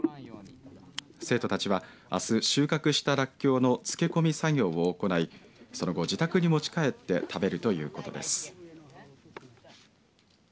生徒たちはあす収穫したらっきょうの漬け込み作業を行いその後、自宅に持ち帰って食べるということです。